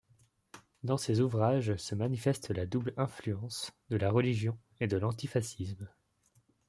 Dans ces ouvrages se manifeste la double influence de la religion et de l'antifascisme.